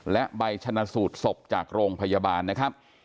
และใบชนะสูตรศพจากโรงพยาบาลนะครับ